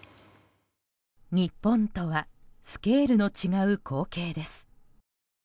日本とはスケールの違う光景です。